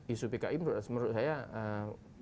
isu pki menurut saya